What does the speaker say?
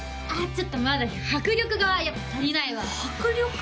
ちょっとまだ迫力がやっぱ足りないわ迫力？